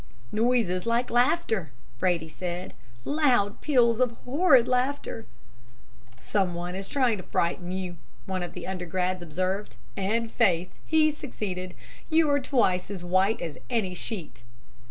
"'Noises like laughter!' Brady said. 'Loud peals of horrid laughter.' "'Someone trying to frighten you,' one of the undergrads observed, 'and faith, he succeeded. You are twice as white as any sheet.'